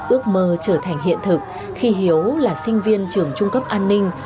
ước mơ trở thành hiện thực khi hiếu là sinh viên trường trung cấp an ninh